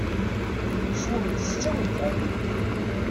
Swemt s ttawil kan!